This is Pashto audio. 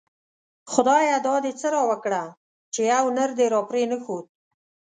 خدايه دا دی څه راوکړه ;چی يو نر دی راپری نه ښود